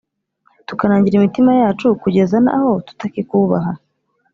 tukanangira imitima yacu, kugeza n’aho tutakikubaha?